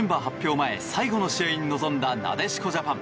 前最後の試合に臨んだなでしこジャパン。